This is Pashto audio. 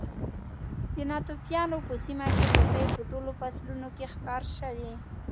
د ناتوفیانو په سیمه کې هوسۍ په ټولو فصلونو کې ښکار شوې.